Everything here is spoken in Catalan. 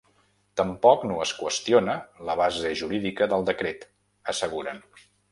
Tampoc no es qüestiona la base jurídica del decret, asseguren.